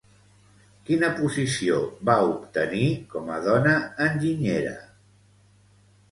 Quina posició va obtenir com a dona enginyera?